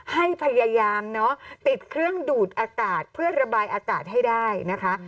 ให้พยายามเนอะติดเครื่องดูดอากาศเพื่อระบายอากาศให้ได้นะคะ